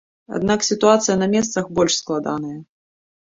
Аднак сітуацыя на месцах больш складаная.